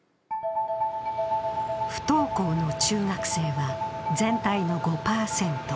不登校の中学生は全体の５％。